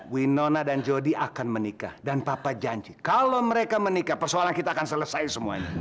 winona dan jody akan menikah dan papa janji kalau mereka menikah persoalan kita akan selesai semuanya